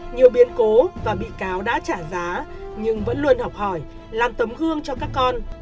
nhiều biến cố và bị cáo đã trả giá nhưng vẫn luôn học hỏi làm tấm gương cho các con